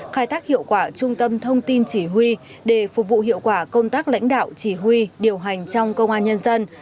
khai tác hiệu quả trung tâm thông tin chỉ huy để phục vụ hiệu quả công tác lãnh đạo chỉ huy điều hành trong công an nhân dân